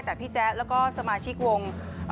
แต่พี่แจ๊แล้วก็สมาชิกวง